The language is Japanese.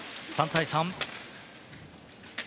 ３対３。